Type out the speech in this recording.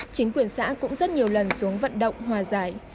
chính quyền xã cũng rất nhiều lần xuống vận động hòa giải